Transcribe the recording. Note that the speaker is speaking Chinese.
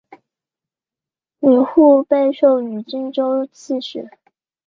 吕护被授予冀州刺史。